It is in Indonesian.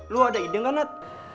lo ada ide gak nat